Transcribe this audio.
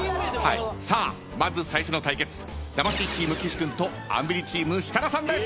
さあまず最初の対決魂チーム岸君とアンビリチーム設楽さんです。